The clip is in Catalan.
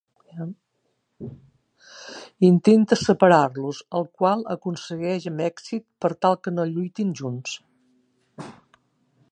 Intenta separar-los, el qual aconsegueix amb èxit per tal que no lluitin junts.